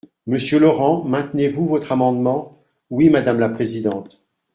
Monsieur Laurent, maintenez-vous votre amendement ? Oui, madame la présidente.